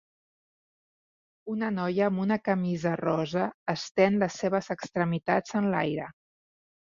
Una noia amb una camisa rosa estén les seves extremitats en l'aire.